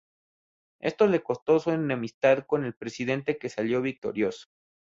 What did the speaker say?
Esto le costó su enemistad con el presidente que salió victorioso.